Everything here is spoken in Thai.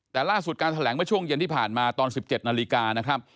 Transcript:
แต่ล่าสุดการแถลงเมื่อช่วงเย็นที่ผ่านมาตอน๑๗นาฬิกานะครับ